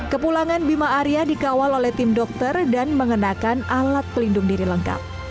kepulangan bima arya dikawal oleh tim dokter dan mengenakan alat pelindung diri lengkap